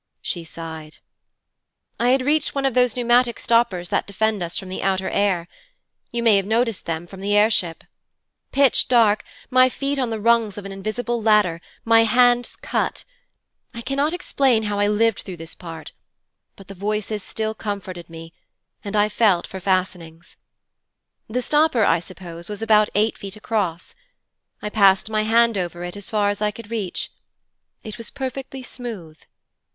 She sighed. 'I had reached one of those pneumatic stoppers that defend us from the outer air. You may have noticed them no the air ship. Pitch dark, my feet on the rungs of an invisible ladder, my hands cut; I cannot explain how I lived through this part, but the voices still comforted me, and I felt for fastenings. The stopper, I suppose, was about eight feet across. I passed my hand over it as far as I could reach. It was perfectly smooth.